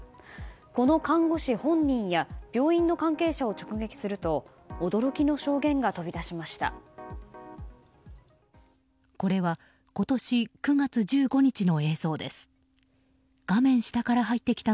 この看護師本人や病院の関係者を直撃すると驚きの証言が飛び出しました。